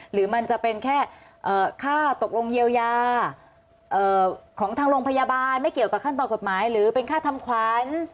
หรือมันจะเป็นแค่ค่าตกลงเยียวยาของทางโรงพยาบาลไม่เกี่ยวกับขั้นตอนกฎหมายหรือเป็นค่าทำขวัญ